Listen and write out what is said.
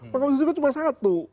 paka maha konstitusi itu cuma satu